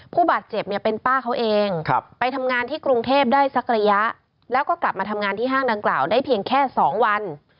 ผู้บาดเจ็บเนี่ยเป็นป้าเขาเองไปทำงานที่กรุงเทพได้สักระยะแล้วก็กลับมาทำงานที่ห้างดังกล่าวได้เพียงแค่๒วัน